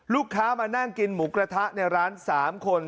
ลูกค้ามานั่งกินหมูกระทะในร้าน๓คน